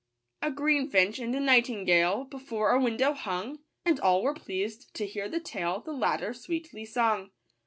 A greenfinch and a nightingale Before a window hung, S And all were pleased to hear the tale The latter sweetly sung.